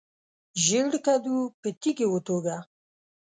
ژیړ کډو په تیږي وتوږه.